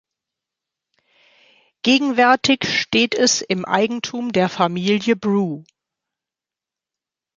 Gegenwärtig steht es im Eigentum der Familie Brew.